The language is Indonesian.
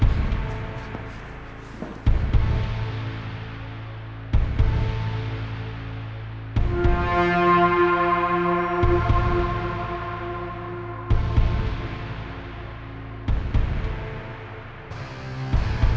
wah bentuk melu boy